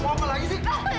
ibu kamu gak ada